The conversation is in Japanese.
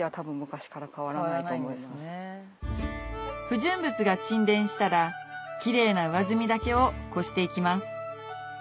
不純物が沈殿したらキレイな上澄みだけを漉していきます